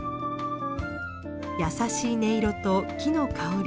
優しい音色と木の香り。